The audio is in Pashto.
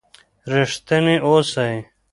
ریښتینی اوسئ.